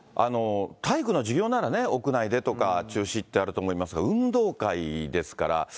体育の授業ならね、屋内でとか、中止ってあると思いますが、運動会ですから。